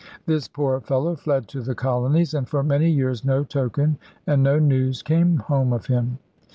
This poor fellow fled to the colonies; and for many years no token and no news came home of him.